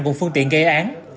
cùng phương tiện gây án